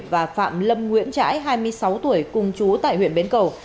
và phạm lâm nguyễn trãi hai mươi sáu tuổi cùng chú tại huyện bến cầu